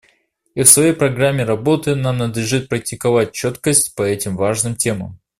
И в своей программе работы нам надлежит практиковать четкость по этим важным темам.